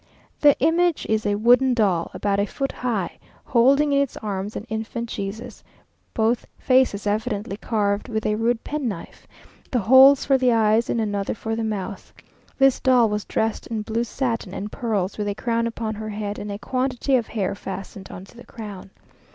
The image is a wooden doll about a foot high, holding in its arms an infant Jesús, both faces evidently carved with a rude penknife; two holes for the eyes and another for the mouth. This doll was dressed in blue satin and pearls with a crown upon her head and a quantity of hair fastened on to the crown.